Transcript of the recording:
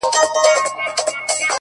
راته شعرونه ښكاري’